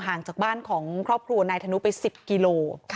ห่างจากบ้านของครอบครัวนายธนุไป๑๐กิโล